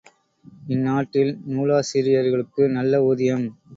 இந்நாட்டில் நூலாசிரியர்களுக்கு நல்ல ஊதியம்.